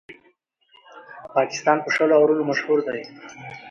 پاکستان په شلو اورونو مشهور دئ.